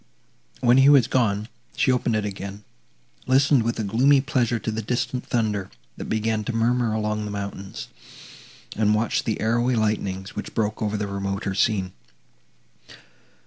When he was gone, she opened it again, listened with a gloomy pleasure to the distant thunder, that began to murmur among the mountains, and watched the arrowy lightnings, which broke over the remoter scene.